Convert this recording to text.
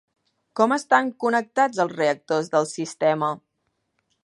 Com estan connectats els reactors del sistema?